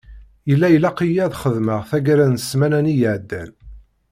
Yella ilaq-iyi ad xedmeɣ tagara n ssmana-nni iεeddan.